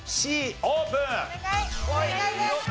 Ｃオープン！